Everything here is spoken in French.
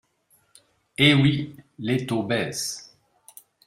Eh oui, les taux baissent